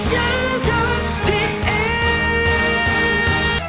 ยังทำผิดเอง